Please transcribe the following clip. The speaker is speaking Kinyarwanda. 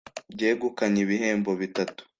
Ryegukanye ibihembo bitatu